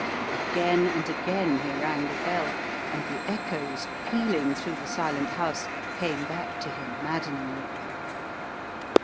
Again and again he rang the bell, and the echoes, pealing through the silent house, came back to him maddeningly.